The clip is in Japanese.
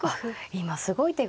今すごい手が。